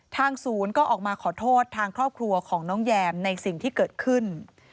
ทางศูนย์ก็ออกมาขอโทษทางครอบครัวของน้องแยมในสิ่งที่เกิดขึ้น